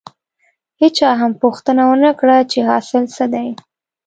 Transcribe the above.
هېچا هم پوښتنه ونه کړه چې حاصل څه دی.